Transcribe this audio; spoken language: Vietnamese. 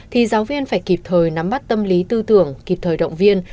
thì giáo viên phải kịp thời nắm bắt tâm lý tư tưởng kịp thời động viên